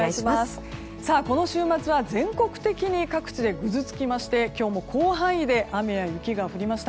この週末は全国的に各地でぐずつきまして、今日も広範囲で雨や雪が降りました。